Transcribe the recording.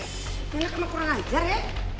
ini kena kurang ajar ya